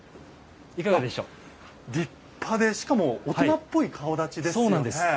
立派で、しかも大人っぽい顔だちですよね。